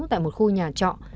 tại một khu nhà trọ